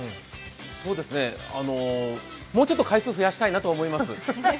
そうですね、もうちょっと回数増やしたいなと思います。